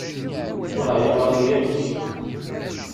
Ur ɛyiɣ ara akk.